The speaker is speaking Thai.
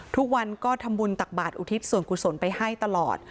ทุกวันก็ทำบุญตักบาทอุทิศส่วนกุศลไปให้ตลอด